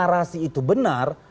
kalau narasi itu benar